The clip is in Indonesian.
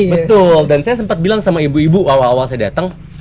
betul dan saya sempat bilang sama ibu ibu awal awal saya datang